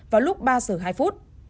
vào lúc ba giờ hai phút